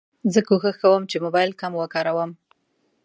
زه کوښښ کوم چې موبایل کم وکاروم.